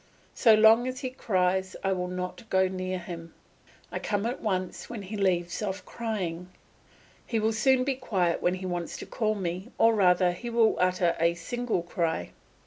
So long as he cries I will not go near him; I come at once when he leaves off crying. He will soon be quiet when he wants to call me, or rather he will utter a single cry.